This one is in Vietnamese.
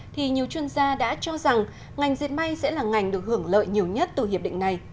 thì nhiều chuyên gia đã cho rằng ngành diệt may sẽ là ngành được hưởng lợi nhiều nhất từ hiệp định này